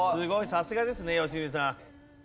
さすがですね良純さん。